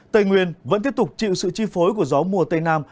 tây nguyên vẫn tiếp tục chịu sự chi phối của gió mùa tây nam